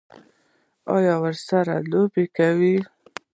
ایا ورسره لوبې کوئ؟